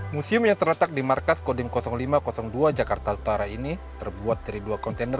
museum yang terletak di markas kodim lima ratus dua jakarta utara ini terbuat dari dua kontainer